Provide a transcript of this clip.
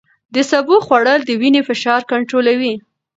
د سبو خوړل د وینې فشار کنټرولوي.